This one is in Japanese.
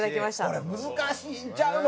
これ難しいんちゃうの？